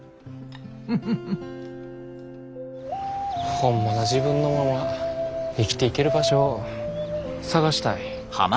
ホンマの自分のまま生きていける場所を探したい。